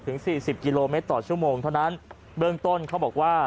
สี่สิบกิโลเมตรต่อชั่วโมงเท่านั้นเบื้องต้นเขาบอกว่า